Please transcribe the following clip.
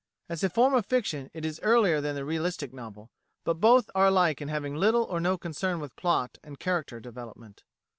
As a form of fiction it is earlier than the realistic novel, but both are alike in having little or no concern with plot and character development.